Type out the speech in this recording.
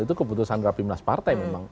itu keputusan raffi menas partai memang